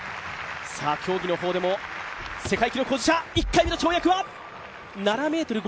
競技の方でも、世界記録保持者、１回目の跳躍は？